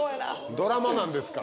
ドラマなんですから。